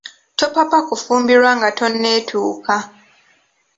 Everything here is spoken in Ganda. Topapa kufumbirwa nga tonetuuka.